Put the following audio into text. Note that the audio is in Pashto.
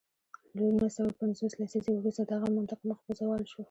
له نولس سوه پنځوس لسیزې وروسته دغه منطق مخ په زوال شو.